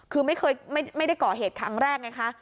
คือไม่ได้ก่อเหตุครั้งแรกนะคะ